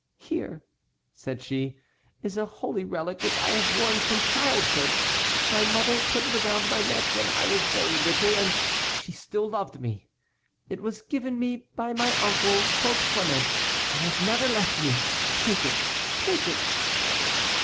"Here," said she, "is a holy relic which I have worn from childhood. My mother put it around my neck when I was very little and she still loved me. It was given me by my uncle, Pope Clement and has never left me. Take it! take it!"